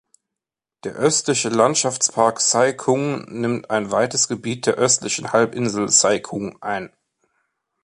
Der östliche Landschaftspark Sai Kung nimmt ein weites Gebiet der östlichen Halbinsel Sai Kung ein.